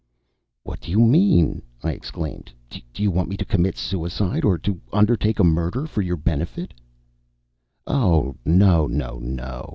"What do you mean?" I exclaimed. "Do you want me to commit suicide? Or to undertake a murder for your benefit?" "Oh, no, no, no!"